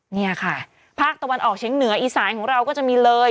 นี่ค่ะภาคตะวันออกเชียงเหนืออีสานของเราก็จะมีเลย